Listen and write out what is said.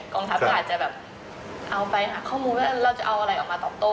กองทัพก็อาจจะเอาไปข้อมูลแล้วเราจะเอาอะไรออกมาต่อโต้